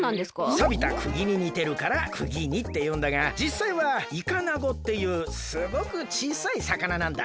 さびたクギににてるからくぎ煮っていうんだがじっさいはイカナゴっていうすごくちいさいさかななんだ。